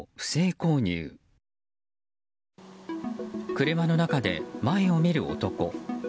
車の中で前を見る男。